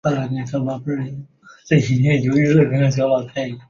滇葎草为桑科葎草属下的一个种。